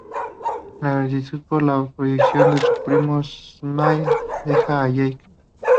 En gratitud por la protección de su primo, Smiley deja ir a Jake.